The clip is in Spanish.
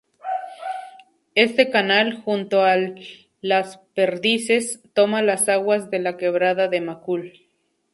Este canal, junto al Las Perdices, toma las aguas de la Quebrada de Macul.